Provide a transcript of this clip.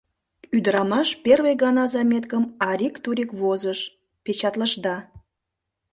Ӱдрамаш первый гана заметкым арик-турик возыш — печатлышда.